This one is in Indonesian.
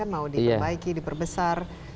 mau diperbaiki diperbesar